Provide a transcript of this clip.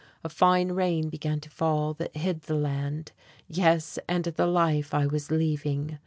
A fine rain began to fall that hid the land yes, and the life I was leaving.